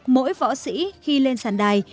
mỗi võ sĩ khi lên sàn đài